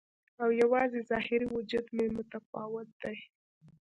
او یوازې ظاهري وجود مې متفاوت دی